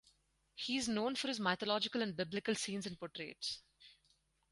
He is known for his mythological and biblical scenes and portraits.